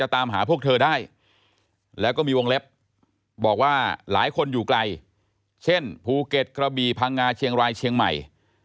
ยาท่าน้ำขาวไทยนครเพราะทุกการเดินทางของคุณจะมีแต่รอยยิ้ม